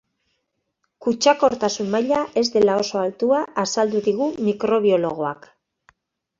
Kutsakortasun maila ez dela oso altua azaldu digu mikrobiologoak.